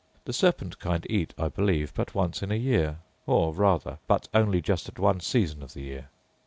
The serpent kind eat, I believe, but once in a year; or rather, but only just at one season of the year.